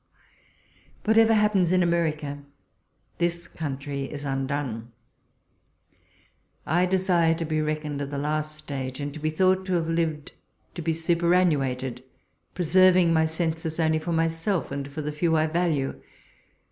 Whatever happens in America, this country is undone. I desire to be reckoned of the last age, and to be thought to have lived to be super annuated, preserving my senses only for myself and for the few I value.